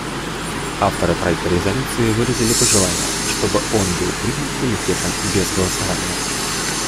Авторы проекта резолюции выразили пожелание, чтобы он был принят Комитетом без голосования.